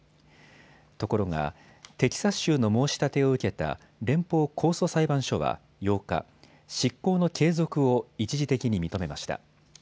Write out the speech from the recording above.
ところがテキサス州の申し立てを受けた連邦控訴裁判所は８日、執行の継続を一時的に認めました。